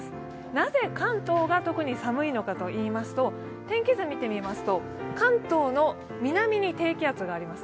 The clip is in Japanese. なぜ関東が特に寒いのかといいますと天気図見てみますと、関東の南に低気圧があります。